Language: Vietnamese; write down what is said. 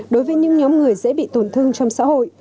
đối với những nhóm người dễ bị tổn thương trong xã hội